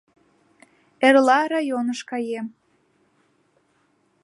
Эрла районыш каем.